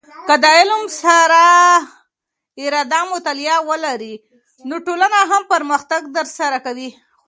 که د علم سر اراده مطالعه ولرې، نو ټولنه هم پرمختګ در سره کوي.